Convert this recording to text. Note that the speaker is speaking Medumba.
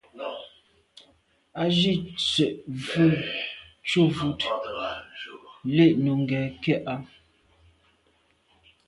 Á jíìt sə́ vhə̀ə́ thúvʉ́ dlíj Nùŋgɛ̀ kɛ́ɛ̀ á.